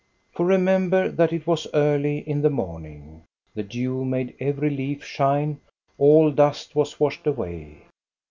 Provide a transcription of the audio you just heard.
For remember that it was early in the morning ! The dew made every leaf shine, all dust was washed tpway.